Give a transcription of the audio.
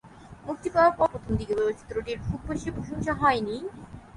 মুক্তি পাওয়ার পর প্রথম দিকে চলচ্চিত্রটির খুব বেশি প্রশংসা হয়নি।